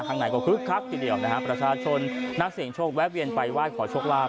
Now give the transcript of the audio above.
ข้างในก็คึกคักทีเดียวนะฮะประชาชนนักเสี่ยงโชคแวะเวียนไปไหว้ขอโชคลาภ